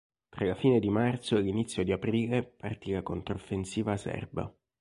Tra la fine di marzo e l'inizio di aprile partì la controffensiva serba.